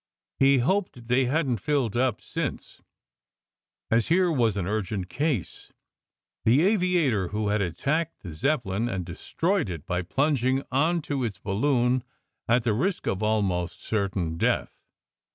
He hoped they hadn t filled up since, as here was an urgent case: the aviator who had attacked the Zeppelin, and destroyed it by plunging on to its balloon at SECRET HISTORY 223 the risk of almost certain death.